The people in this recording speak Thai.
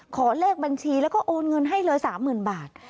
ขอเลขบัญชีแล้วก็โอนเงินให้เลย๓๐๐๐บาท